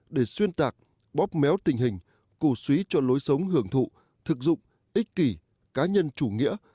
để xuyên tạc bóp méo tình hình cổ suý cho lối sống hưởng thụ thực dụng ích kỷ cá nhân chủ nghĩa